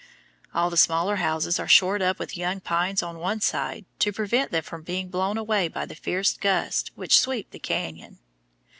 All the smaller houses are shored up with young pines on one side, to prevent them from being blown away by the fierce gusts which sweep the canyon.